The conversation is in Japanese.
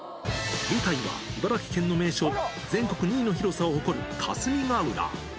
舞台は茨城県の名所、全国２位の広さを誇る霞ヶ浦。